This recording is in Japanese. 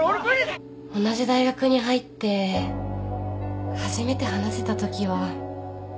同じ大学に入って初めて話せたときは。